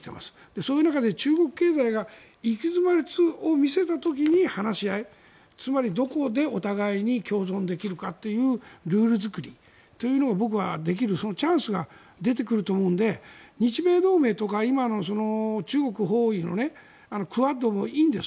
そういう中で中国経済が行き詰まりを見せた時に話し合いつまり、どこでお互いに共存できるかというルール作りというのを僕はできるそのチャンスが出てくると思うので日米同盟とか、今の中国包囲のクアッドもいいんです